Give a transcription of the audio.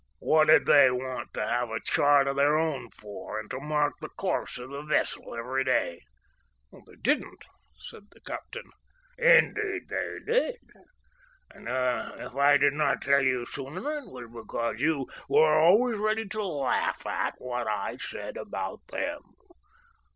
What did they want to have a chart of their own for and to mark the course of the vessel every day?" "They didn't," said the captain. "Indeed they did, and if I did not tell you sooner it was because you were always ready to laugh at what I said about them.